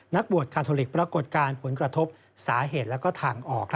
นักบวชคาทอลิกปรากฏการณ์ผลกระทบสาเหตุและทางออก